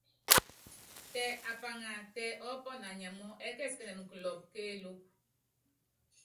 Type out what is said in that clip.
Tɛ apaŋa, tɛ ɔɔ́pɔnɔ anyamɔ́, ɛɛ́kɛsikɛnɛn kulɔ́pɔ kéelúku.